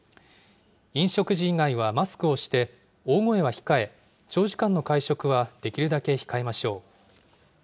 飲食時以外はマスクをして、大声は控え、長時間の会食はできるだけ控えましょう。